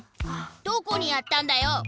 どこにやったんだよ！